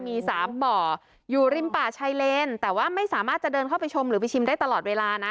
มีสามบ่ออยู่ริมป่าชายเลนแต่ว่าไม่สามารถจะเดินเข้าไปชมหรือไปชิมได้ตลอดเวลานะ